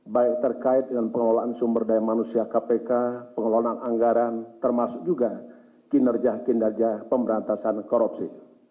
baik terkait dengan pengelolaan sumber daya manusia kpk pengelolaan anggaran termasuk juga kinerja kinerja pemberantasan korupsi